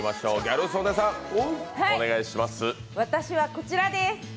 私はこちらです！